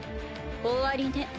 終わりね。